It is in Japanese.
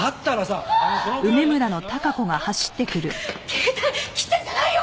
携帯切ってるんじゃないよ！